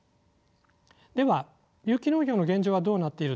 では有機農業の現状はどうなっているでしょうか。